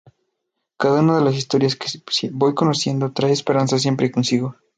Cada una de las historias que voy conociendo, traen esperanza siempre consigo.